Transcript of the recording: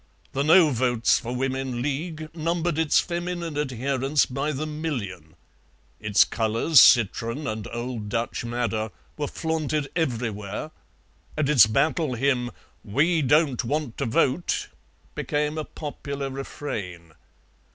The No Votes for Women League numbered its feminine adherents by the million; its colours, citron and old Dutch madder, were flaunted everywhere, and its battle hymn, "We don't want to Vote," became a popular refrain.